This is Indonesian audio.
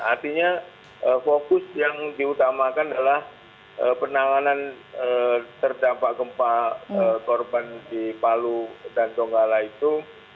artinya fokus yang diutamakan adalah penanganan terdampak gempa korban di palu dan donggala itu